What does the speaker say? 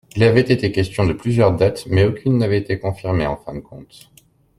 Il avait été question de plusieurs dates mais aucune n’avait été confirmée en fin de compte.